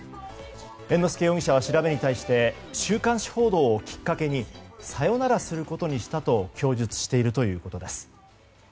猿之助容疑者は調べに対して週刊誌報道をきっかけにさよならすることにしたと供述しているということです。